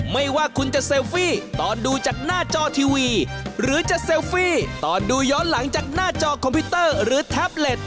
ไม่ว่าคุณจะเซลฟี่ตอนดูจากหน้าจอทีวีหรือจะเซลฟี่ตอนดูย้อนหลังจากหน้าจอคอมพิวเตอร์หรือแท็บเล็ต